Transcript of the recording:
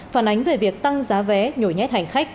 phản ánh về việc tăng giá vé nhồi nhét hành khách